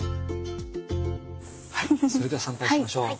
はいそれでは参拝しましょう。